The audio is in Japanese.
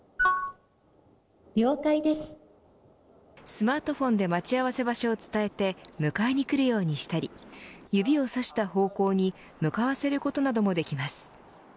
スマートフォンで待ち合わせ場所を伝えて迎えに来るようにしたり指をさした方向に向かわせることなどもできます。